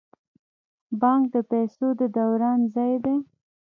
بانک د پیسو د دوران ځای دی